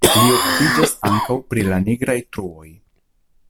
Li okupiĝas ankaŭ pri la nigraj truoj.